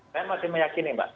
saya masih meyakini mbak